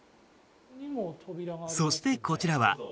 そして、こちらは。